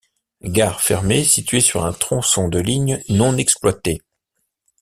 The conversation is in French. Gare fermée située sur un tronçon de ligne non exploité.